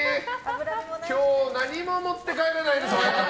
今日、何も持って帰れないです。